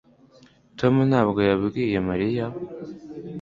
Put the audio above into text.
tom ntabwo yabwiye mariya